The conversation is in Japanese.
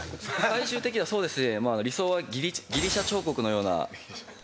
最終的にはそうですね理想は。